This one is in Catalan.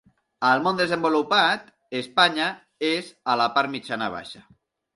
Al món desenvolupat, Espanya és a la part mitjana-baixa.